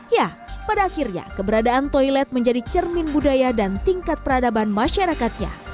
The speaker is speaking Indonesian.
ya pada akhirnya keberadaan toilet menjadi cermin budaya dan tingkat peradaban masyarakatnya